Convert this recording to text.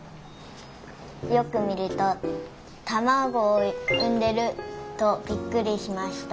よくみるとたまごをうんでるとびっくりしました。